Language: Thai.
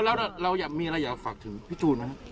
แล้วอย่ามีอะไรอยากฝากถึงพี่จูนครับ